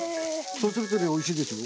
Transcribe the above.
そうするとねおいしいですよ。